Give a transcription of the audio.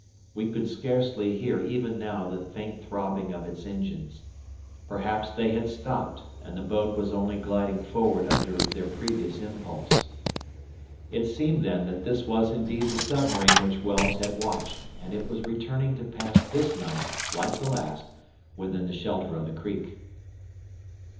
We could scarcely hear even now the faint throbbing of its engines. Perhaps they had stopped and the boat was only gliding forward under their previous impulse. It seemed, then, that this was indeed the submarine which Wells had watched, and it was returning to pass this night, like the last, within the shelter of the creek.